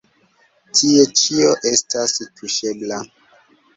Tie ĉio estas tuŝebla.